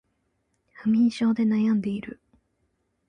不眠症で悩んでいる